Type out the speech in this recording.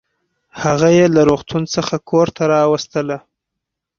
هغه يې له روغتون څخه کورته راوستله